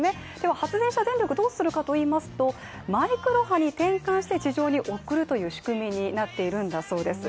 発電した電力をどうするかといいますとマイクロ波に転換して地上に送るという仕組みになっているそうなんです。